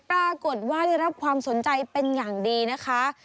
ปรากฏว่าได้รับความสนใจเป็นอย่างดีนะคะ